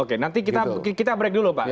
oke nanti kita break dulu pak